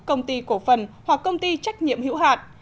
công ty cổ phần hoặc công ty trách nhiệm hữu hạn